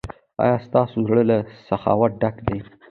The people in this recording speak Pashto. ایا ستاسو زړه له سخاوت ډک دی؟